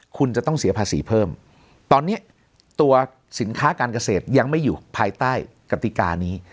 คุณจะต้องเสียภาษีเพิ่มตอนนี้ตัวสินค้าการเกษตรยังไม่อยู่ภายใต้กติกานี้